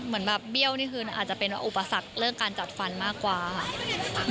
เหมือนแบบเบี้ยวนี่คืออาจจะเป็นอุปสรรคเรื่องการจัดฟันมากกว่าค่ะ